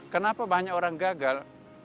kenapa banyak orang gagal